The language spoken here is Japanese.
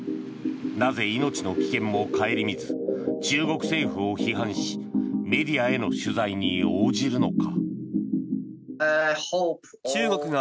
なぜ命の危険も顧みず中国政府を批判しメディアへの取材に応じるのか。